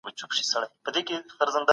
هر سيند يوه ترانه لري.